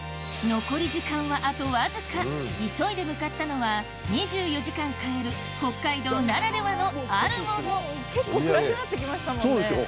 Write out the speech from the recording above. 残り時間はあとわずか急いで向かったのは２４時間買える北海道ならではのあるもの結構暗くなってきましたもんね。